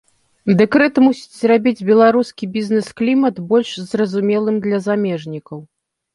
Дэкрэт мусіць зрабіць беларускі бізнес-клімат больш зразумелым для замежнікаў.